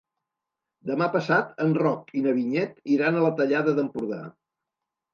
Demà passat en Roc i na Vinyet iran a la Tallada d'Empordà.